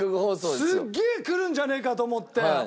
すっげえ来るんじゃねえかと思って。